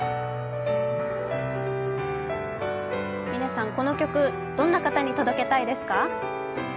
嶺さん、この曲どんな方に届けたいですか？